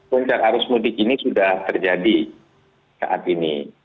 puncak arus mudik ini sudah terjadi saat ini